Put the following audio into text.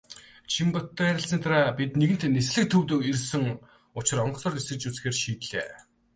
Чинбаттай ярилцсаны дараа бид нэгэнт "Нислэг" төвд ирсэн учир онгоцоор нисэж үзэхээр шийдлээ.